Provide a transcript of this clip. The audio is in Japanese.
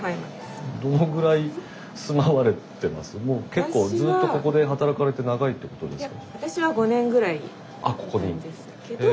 結構ずっとここで働かれて長いってことですか？